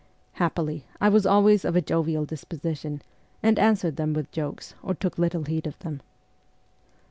Happily, I was always of a jovial disposition, and answered them with jokes, or took little heed of them.